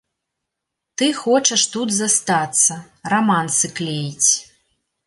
Ты хочаш тут застацца, рамансы клеіць.